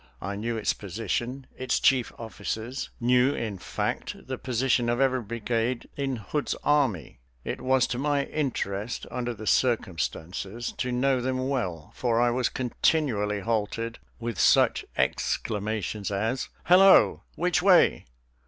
I knew its position, its chief officers, knew, in fact, the position of every brigade in Hood's army. It was to my interest, under the circumstances, to know them well, for I was continually halted with such exclamations as, "Hallo! which way?